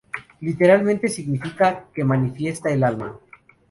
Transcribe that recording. Literalmente significa "que manifiesta el alma".